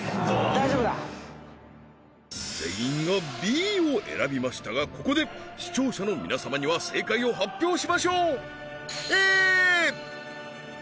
全員がＢを選びましたがここで視聴者の皆様には正解を発表しましょうＡ！